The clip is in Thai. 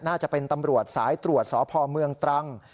น่าจะเป็นตำรวจสายตรวจสพเมืองตรัง